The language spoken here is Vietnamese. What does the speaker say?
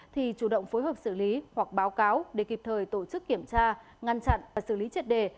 thì chủ động phối hợp xử lý hoặc báo cáo để kịp thời tổ chức kiểm tra ngăn chặn và xử lý triệt đề